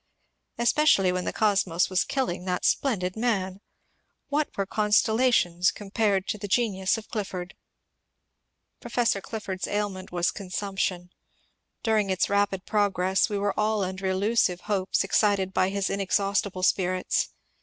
Especially when the cosmos was killing that splendid man. What were constellations compared to the genius of Clifford ? Professor Clifford's ailment was consimiption ; during its rapid progress we were all imder illusive hopes excited by his inexhaustible spirits.